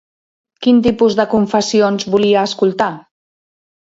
Quin tipus de confessions volia escoltar?